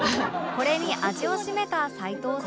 これに味を占めた齊藤さんは